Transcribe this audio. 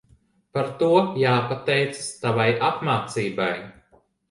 Par to jāpateicas tavai apmācībai.